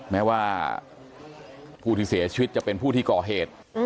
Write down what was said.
แม้ว่าผู้ที่เสียชีวิตจะเป็นผู้ที่ก่อเหตุ